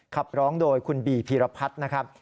ขับร้องโดยคุณบีพีรพัฒน์นะครับ